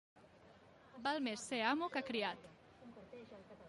Val més ser amo que criat.